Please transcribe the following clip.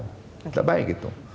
nggak baik itu